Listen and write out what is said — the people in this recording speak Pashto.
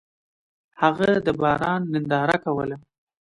هغه د باران ننداره کوله.